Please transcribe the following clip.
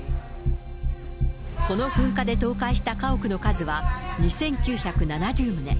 この噴火で倒壊した家屋の数は２９７０棟。